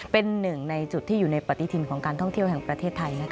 เป็นหนึ่งในจุดที่อยู่ในปฏิทินของการท่องเที่ยวแห่งประเทศไทย